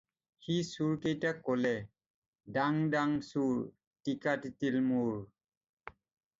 "সি চোৰকেইটাক ক'লে, "দাং দাং চোৰ, টিকা তিতিল মোৰ।"